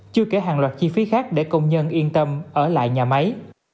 chưa kể hàng loạt chi phí khác để công nhân yên tâm ở lại nhà máy